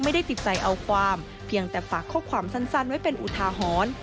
ไม่ได้ติดใจเอาความเพียงแต่ฝากข้อความสั้นไว้เป็นอุทาหรณ์